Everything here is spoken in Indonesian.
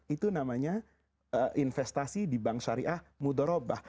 itu namanya investasi di bank syariah mudarobah